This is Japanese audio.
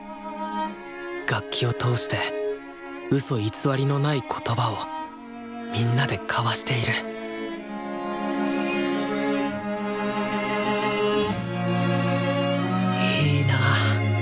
楽器を通してウソ偽りのない言葉をみんなで交わしているいいなあ